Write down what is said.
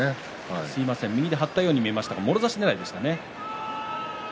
すみません、右で張ったように見えましたがもろ差しねらいでしたね。